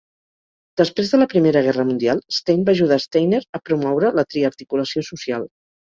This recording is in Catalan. Després de la Primera Guerra Mundial, Stein va ajudar Steiner a promoure la Triarticulació social.